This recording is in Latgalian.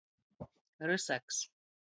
Rysaks.